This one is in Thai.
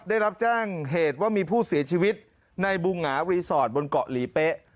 ได้รับแจ้งเหตุว่ามีผู้เสียชีวิตในบูหงารีสอร์ทบนเกาะหลีเป๊ะ